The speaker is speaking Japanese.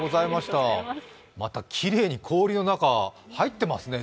またきれいに氷の中に入っていますよね。